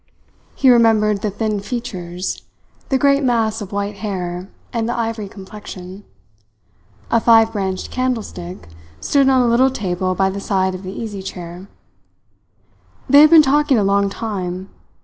He remembered the thin features, the great mass of white hair, and the ivory complexion. A five branched candlestick stood on a little table by the side of the easy chair. They had been talking a long time.